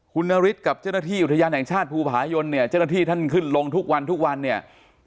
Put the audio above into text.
คุณนฤทธิ์กับเจ้าหน้าที่อุทยานแห่งชาติภูผายนเนี่ยเจ้าหน้าที่ท่านขึ้นลงทุกวันทุกวันเนี่ย